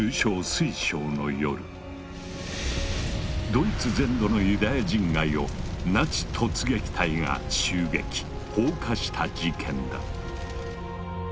ドイツ全土のユダヤ人街をナチ突撃隊が襲撃・放火した事件だ。